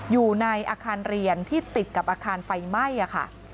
อยู่ในอาคารเรียนที่ติดกับอาคารไฟไหม้ค่ะ